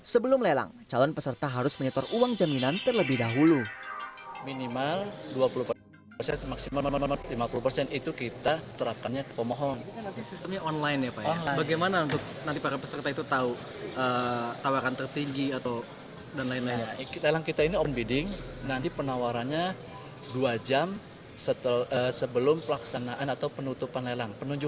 sebelum lelang calon peserta harus menyetor uang jaminan terlebih dahulu